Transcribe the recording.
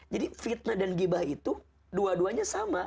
jadi fitnah dan gibah itu dua duanya sama